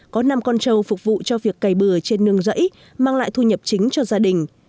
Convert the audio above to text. có năm con trâu phục vụ cho việc cày bừa trên nương rẫy mang lại thu nhập chính cho gia đình